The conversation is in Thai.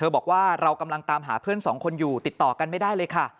บอกว่าเรากำลังตามหาเพื่อนสองคนอยู่ติดต่อกันไม่ได้เลยค่ะ